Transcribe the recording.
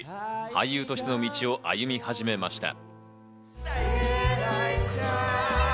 俳優としての道を歩み始めました。